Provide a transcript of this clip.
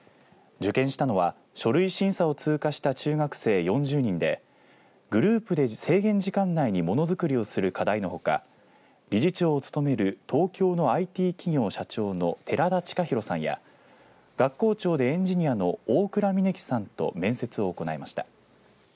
受験したのは書類審査を通過した中学生４０人でグループで制限時間内にものづくりをする課題のほか理事長を務める東京のＩＴ企業社長の寺田親弘さんや学校長でエンジニアの大蔵峰樹さんと面接を行いました。